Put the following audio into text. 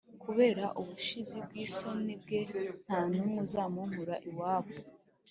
kubera ubushizi bw isoni bwe nta n umwe uzamunkura iwabo